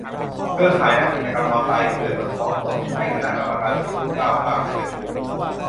เครือข่ายนักกิจกรรม นอนตายเกลื่อนบนท้องถนน ให้คณะกรรมการปฏิรูปก้าวข้ามไปประชุม